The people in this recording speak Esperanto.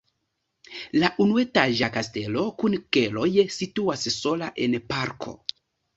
La unuetaĝa kastelo kun keloj situas sola en parko.